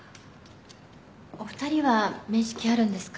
お二人は面識あるんですか。